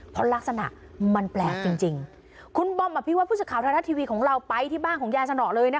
เพราะลักษณะมันแปลกจริงคุณบอมมาพิวัติพุทธโขาวทัยรัฐทวีส์ของเราไปที่บ้านของยายสนเลยนะคะ